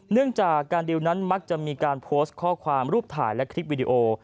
เนื่องจากการดิวนั้นมักจะมีการโพสต์ข้อความรูปถ่ายและคลิปวิดีโอ